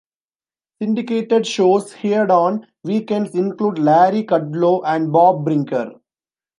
Syndicated shows heard on weekends include Larry Kudlow and Bob Brinker.